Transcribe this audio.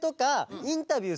インタビュー！？